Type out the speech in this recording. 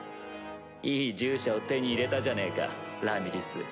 いい従者を手に入れたじゃねえかラミリス。